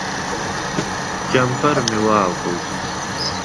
جمپر مې واغوست.